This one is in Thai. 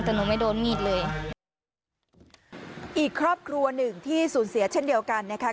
แต่หนูไม่โดนมีดเลยอีกครอบครัวหนึ่งที่สูญเสียเช่นเดียวกันนะคะ